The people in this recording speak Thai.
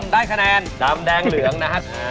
ได้คะแนนดำแดงเหลืองนะครับ